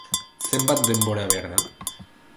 Zenbat denbora behar da?